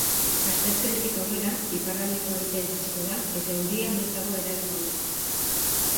Asteazkenetik aurrera, iparraldeko haizea iritsiko da eta euria maizago eragingo du.